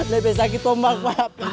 lebih sakit tombak pak